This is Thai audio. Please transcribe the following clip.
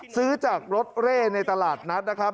ซื้อจากรถเร่ในตลาดนัดนะครับ